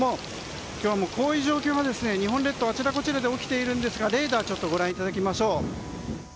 今日もこういう状況が日本列島あちらこちらで起きているんですがレーダーをご覧いただきましょう。